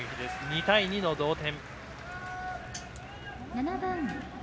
２対２の同点。